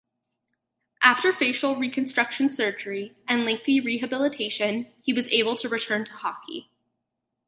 After facial reconstruction surgery and lengthy rehabilitation, he was able to return to hockey.